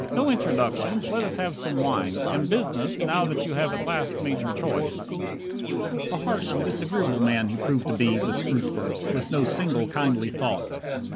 "No introductions, let us have some wine, And business, now that you at last have made your choice." 11 A harsh and disagreeable man he proved to be, This Grootver, with no single kindly thought.